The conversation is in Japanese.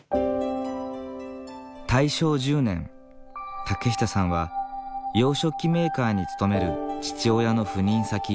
大正１０年竹下さんは洋食器メーカーに勤める父親の赴任先